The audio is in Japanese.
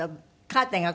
カーテンが？